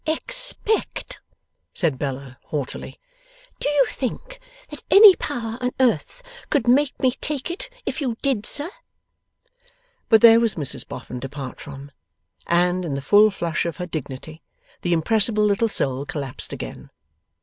'Expect!' said Bella, haughtily. 'Do you think that any power on earth could make me take it, if you did, sir?' But there was Mrs Boffin to part from, and, in the full flush of her dignity, the impressible little soul collapsed again.